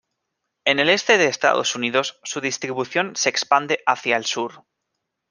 En el este de Estados Unidos, su distribución se expande hacia el sur.